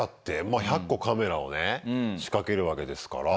まあ１００個カメラをね仕掛けるわけですから。